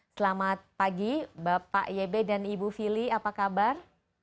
selamat pagi bapak ybe dan ibu fili apa kabar